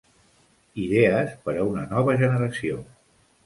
Idees per a una nova generació.